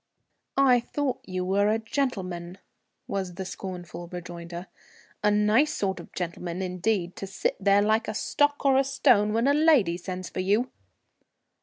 "I thought you were a gentleman," was the scornful rejoinder. "A nice sort of gentleman, indeed, to sit there like a stock or a stone when a lady sends for you!"